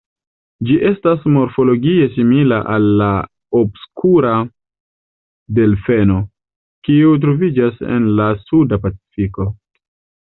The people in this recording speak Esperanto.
Ĝi estas morfologie simila al la obskura delfeno, kiu troviĝas en la Suda Pacifiko.